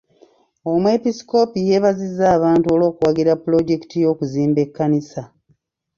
Omwepiskoopi yeebazizza abantu olw'okuwagira pulojekiti y'okuzimba ekkanisa.